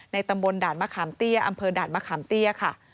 ตำบลด่านมะขามเตี้ยอำเภอด่านมะขามเตี้ยค่ะ